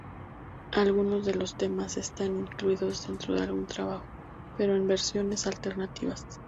Algunos de los temas están incluidos dentro de algún trabajo, pero en versiones alternativas.